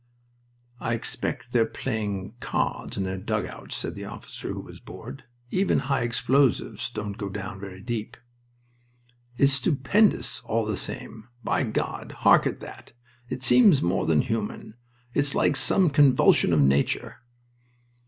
"I expect they're playing cards in their dugouts," said the officer who was bored. "Even high explosives don't go down very deep." "It's stupendous, all the same. By God! hark at that! It seems more than human. It's like some convulsion of nature."